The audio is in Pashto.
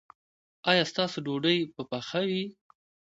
ایا ستاسو ډوډۍ به پخه وي؟